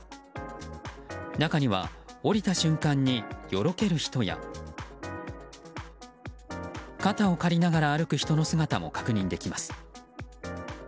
中には降りた瞬間によろける人や肩を借りながら歩く人の姿も確認できます。